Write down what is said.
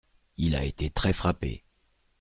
Il a été très frappé.